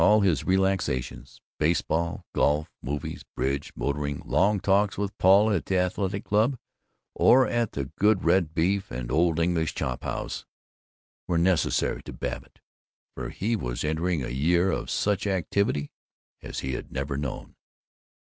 All his relaxations baseball, golf, movies, bridge, motoring, long talks with Paul at the Athletic Club, or at the Good Red Beef and Old English Chop House were necessary to Babbitt, for he was entering a year of such activity as he had never known.